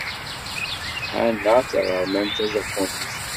Hana d taɣermant tajapunit.